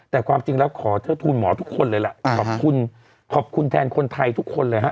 แต่ความจริงแล้วขอเทิดทูลหมอทุกคนเลยล่ะขอบคุณขอบคุณแทนคนไทยทุกคนเลยฮะ